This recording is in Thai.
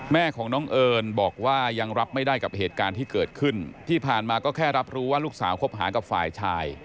แม่ของน้องเอิญบอกว่ายังรับไม่ได้กับเหตุการณ์ที่เกิดขึ้นที่ผ่านมาก็แค่รับรู้ว่าลูกสาวคบหากับฝ่ายชาย